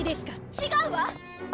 違うわ！